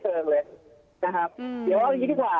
เดี๋ยวเอาจังงงี้ดีกว่า